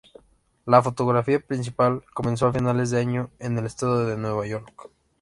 La fotografía principal comenzó a finales de año en el estado de Nueva York.